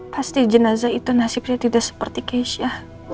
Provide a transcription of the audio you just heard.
pasti jenazah itu nasibnya tidak seperti keisha